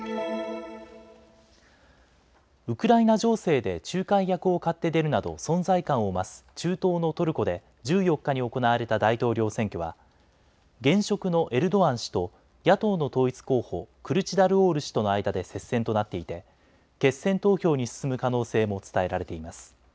ウクライナ情勢で仲介役を買って出るなど存在感を増す中東のトルコで１４日に行われた大統領選挙は現職のエルドアン氏と野党の統一候補クルチダルオール氏との間で接戦となっていて決選投票に進む可能性も伝えられています。